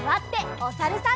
おさるさん。